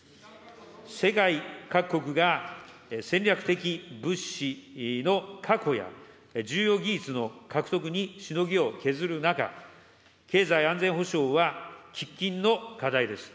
世界各国が戦略的物資の確保や重要技術の獲得にしのぎを削る中、経済安全保障は、喫緊の課題です。